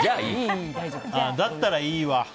だったら、いいわ。